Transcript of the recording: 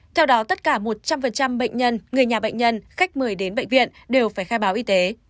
theo đó tất cả một trăm linh bệnh nhân người nhà bệnh nhân khách mời đến bệnh viện đều phải khai báo y tế